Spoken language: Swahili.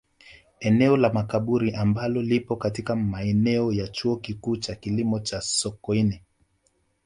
Eneo la Makaburi ambalo lipo katika maeneo ya Chuo Kikuu cha Kilimo cha Sokoine